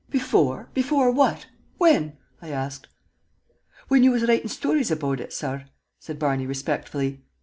Before what? When?" I asked. "Whin you was writin' shtories about ut, sorr," said Barney, respectfully.